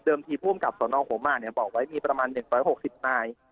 เดิมทีผู้อำกับสนโขม่าบอกว่ามีประมาณ๑๖๐นาย